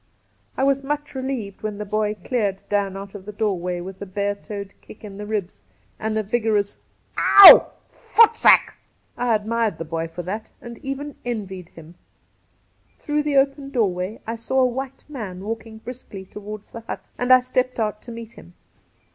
I was much relieved when the boy cleared Dan out of the doorway with a bare toed kick in the Cassidy 133 ribs and a vigorous ' Ow ! Foosack !' I admired the boy for that, and even envied him. Through the open doorway I saw a white man walking briskly towards the hut, and I stepped out to meet him.